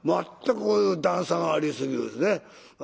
全く段差がありすぎるんですね。